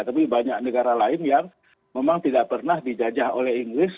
tapi banyak negara lain yang memang tidak pernah dijajah oleh inggris